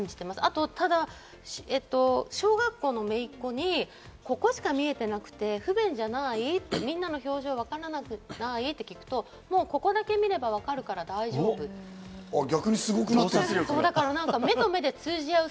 あと、小学校の姪っ子に、ここしか見えてなくて不便じゃなぁい？って、みんなの表情わからなぁい？って聞くと、もうここだけ見ればわかるから大丈夫って。